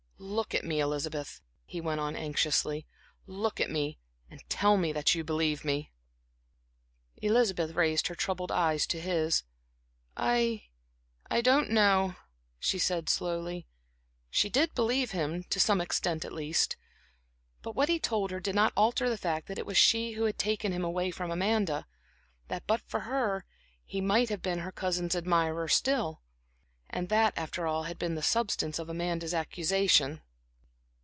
"Look at me, Elizabeth," he went on anxiously, "look at me, and tell me that you believe me." Elizabeth raised her troubled eyes to his. "I I don't know," she said, slowly. She did believe him to some extent, at least. But what he told her did not alter the fact that it was she who had taken him away from Amanda, that, but for her, he might have been her cousin's admirer still. And that, after all, had been the substance of Amanda's accusation.